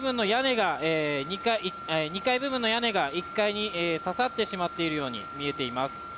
２階部分の屋根が１階に刺さってしまっているように見えています。